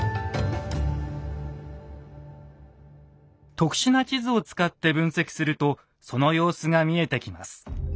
特殊な地図を使って分析するとその様子が見えてきます。